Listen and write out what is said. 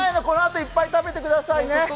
このあといっぱい食べてくださいね。